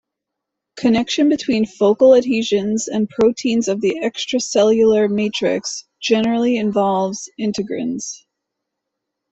Connection between focal adhesions and proteins of the extracellular matrix generally involves integrins.